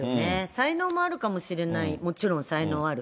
才能もあるかもしれない、もちろん、才能ある。